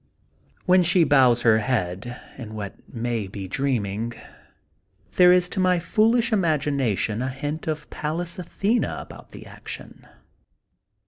When she bows her head in what may be dreaming, there is to my foolish imagination a hint of Pallas Athena about the action.